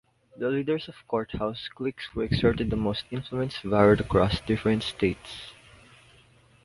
The leaders of courthouse cliques who exerted the most influence varied across different states.